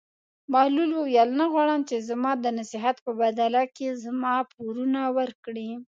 بهلول وویل: نه غواړم چې زما د نصیحت په بدله کې زما پورونه ورکړې.